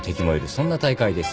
そんな大会です。